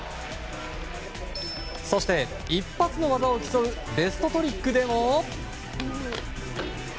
そして、一発の技を競うベストトリックでも。